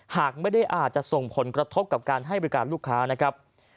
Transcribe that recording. หากไม่ได้อาจจะส่งผลกระทบกับการให้บริการลูกค้านะครับ